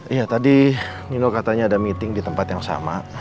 iya tadi nino katanya ada meeting di tempat yang sama